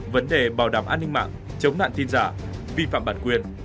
vấn đề bảo đảm an ninh mạng chống nạn tin giả vi phạm bản quyền